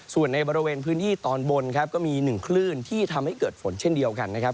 ส่วนในบริเวณพื้นที่ตอนบนครับก็มีหนึ่งคลื่นที่ทำให้เกิดฝนเช่นเดียวกันนะครับ